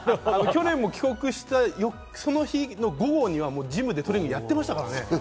去年も帰国したその日の午後にはジムでトレーニングやっていましたからね。